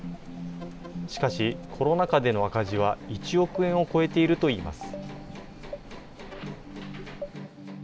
しかし、コロナ禍での赤字は１億円を超えているといいます。